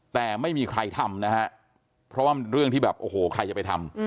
แต่ไม่มีใครทำนะฮะเพราะว่าเรื่องที่แบบโอ้โหใครจะไปทำ